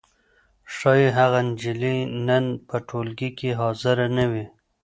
ښايي هغه نجلۍ نن په ټولګي کې حاضره نه وي.